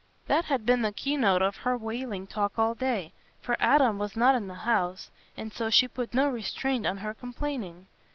That had been the key note of her wailing talk all day; for Adam was not in the house, and so she put no restraint on her complaining.